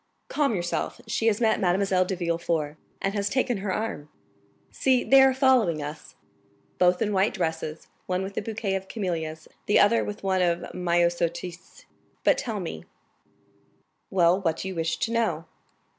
"Calm yourself. She has met Mademoiselle de Villefort, and has taken her arm; see, they are following us, both in white dresses, one with a bouquet of camellias, the other with one of myosotis. But tell me——" "Well, what do you wish to know?"